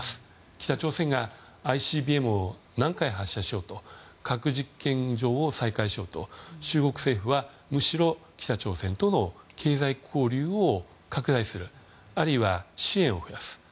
北朝鮮がＩＣＢＭを何回発射しようと核実験場を再開しようと中国政府はむしろ北朝鮮との経済交流を拡大するあるいは支援を増やす。